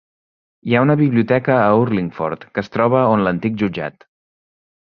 Hi ha una biblioteca a Urlingford, que es troba on l'antic jutjat.